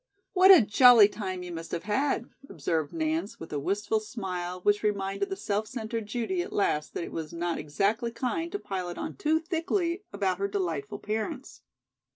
"What a jolly time you must have had!" observed Nance with a wistful smile which reminded the self centred Judy at last that it was not exactly kind to pile it on too thickly about her delightful parents.